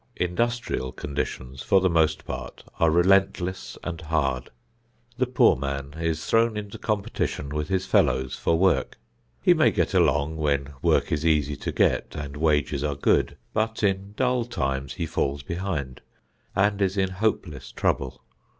Industrial conditions for the most part are relentless and hard. The poor man is thrown into competition with his fellows for work. He may get along when work is easy to get and wages are good, but in dull times he falls behind, and is in hopeless trouble.